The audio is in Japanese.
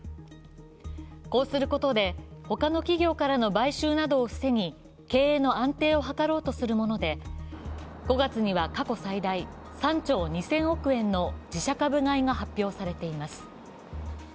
こうすることでほかの企業からの買収などを防ぎ経営の安定を図ろうとするもので５月には過去最大３兆２０００億円の自社株買いが発表されています。